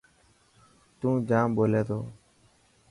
تون جام ٻولي تو.